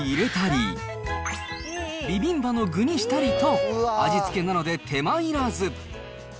ラーメンに入れたり、ビビンバの具にしたりと、味付きなので手間いらず。